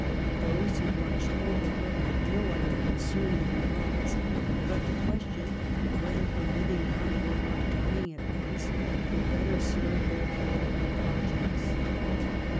Those who watched over her had no other concern in their minds but the question whether her living on or her dying at once would better serve their political projects.